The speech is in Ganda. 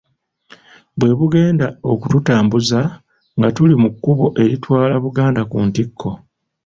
Bwe bugenda okututambuza nga tuli mu kkubo eritwala Buganda ku ntikko.